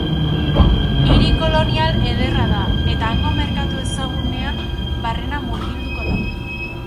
Hiri kolonial ederra da, eta hango merkatu ezagunean barrena murgilduko da.